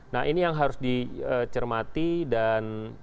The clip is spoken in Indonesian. nah ini yang harus dicermati dan